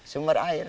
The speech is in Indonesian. ya itu sumber air